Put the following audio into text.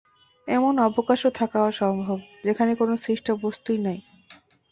এমন অবকাশও থাকা সম্ভব, যেখানে কোন সৃষ্ট বস্তুই নাই।